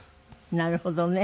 なるほどね。